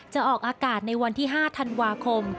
จะออกอากาศในวันที่๕ธันวาคม